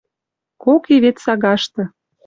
Кок и вет сагашты